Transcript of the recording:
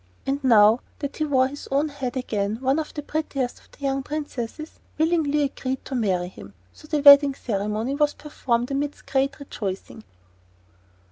And, now that he wore his own head again, one of the prettiest of the young princesses willingly agreed to marry him; so the wedding ceremony was performed amidst great rejoicing.